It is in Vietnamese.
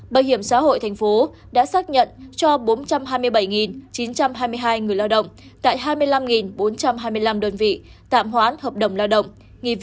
bảo hiểm xã hội thành phố đã xác nhận cho bốn trăm hai mươi bảy chín trăm hai mươi hai người lao động tại hai mươi năm bốn trăm hai mươi năm đơn vị tạm hoãn hợp đồng lao động